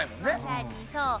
まさにそう。